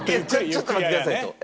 ちょっと待ってくださいと。